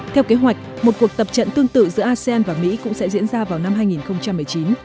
theo kế hoạch một cuộc tập trận tương tự giữa asean và mỹ cũng sẽ diễn ra vào năm hai nghìn một mươi chín